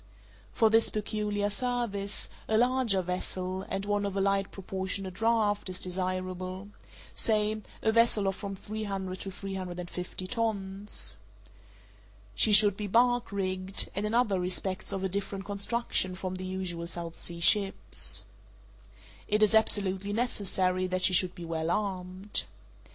For this peculiar service, a larger vessel, and one of a light proportionate draught, is desirable—say a vessel of from three hundred to three hundred and fifty tons. She should be bark rigged, and in other respects of a different construction from the usual South Sea ships. It is absolutely necessary that she should be well armed.